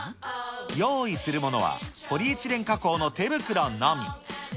用意するものは、ポリエチレン加工の手袋のみ。